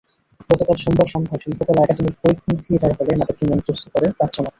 গতকাল সোমবার সন্ধ্যায় শিল্পকলা একাডেমীর পরীক্ষণ থিয়েটার হলে নাটকটি মঞ্চস্থ করে প্রাচ্যনাট।